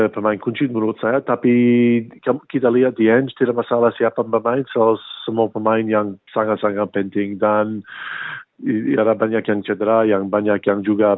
pemain kunci menurut saya